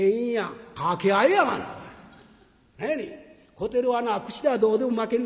「小照はな口ではどうでも負ける。